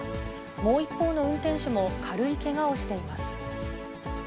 もう一方の運転手も軽いけがをしています。